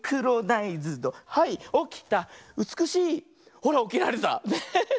ほらおきられた。ね。